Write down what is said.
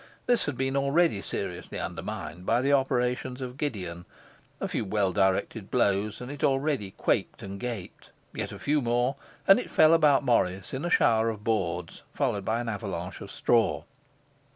This had been already seriously undermined by the operations of Gideon; a few well directed blows, and it already quaked and gaped; yet a few more, and it fell about Morris in a shower of boards followed by an avalanche of straw.